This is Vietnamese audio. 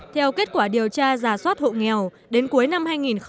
theo kết quả điều tra giả soát hộ nghèo đến cuối năm hai nghìn một mươi chín